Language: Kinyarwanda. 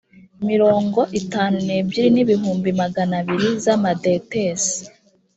mirongo itanu n ebyiri n ibihumbi magana abiri z amadetesi